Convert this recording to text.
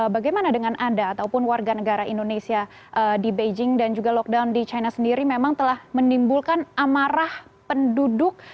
bagaimana dengan anda ataupun warga negara indonesia di beijing dan juga lockdown di china sendiri memang telah menimbulkan amarah penduduk